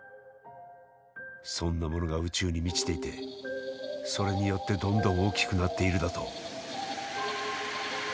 そんなものが宇宙に満ちていてそれによってどんどん大きくなっているだと？